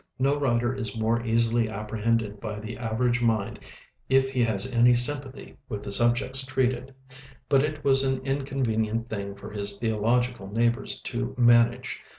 No writer is more easily apprehended by the average mind if he has any sympathy with the subjects treated; but it was an inconvenient thing for his theological neighbors to manage.